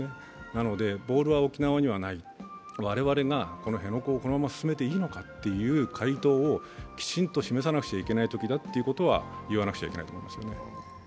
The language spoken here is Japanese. なのでボールは沖縄にはない、我々がこの辺野古をこのまま進めていいのかという回答をきちんと示さなくちゃいけないときだというのは言わなくちゃいけないと思います。